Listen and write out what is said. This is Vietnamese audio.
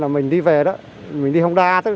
mình đi về đó mình đi hông đa